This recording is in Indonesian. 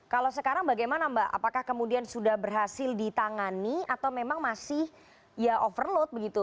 kalau sekarang bagaimana mbak apakah kemudian sudah berhasil ditangani atau memang masih ya overload begitu